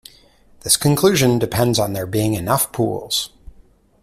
This conclusion depends on there being enough pools.